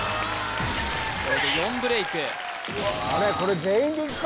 これで４ブレイクうわ